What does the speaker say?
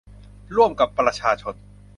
ร่วมกับประชาชน